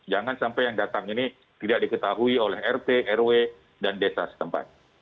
jangan sampai yang datang ini tidak diketahui oleh rt rw dan desa setempat